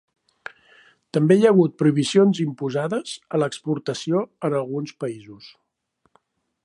També hi ha hagut prohibicions imposades a l'exportació en alguns països.